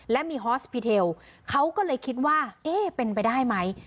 และมีฮอสปีเทลเขาก็เลยคิดว่าเอ๊ะเป็นไปได้ไหม